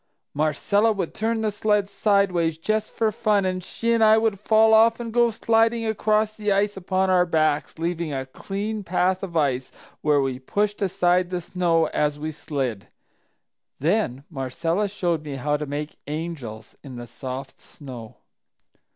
"Marcella would turn the sled sideways, just for fun, and she and I would fall off and go sliding across the ice upon our backs, leaving a clean path of ice, where we pushed aside the snow as we slid. Then Marcella showed me how to make 'angels' in the soft snow!"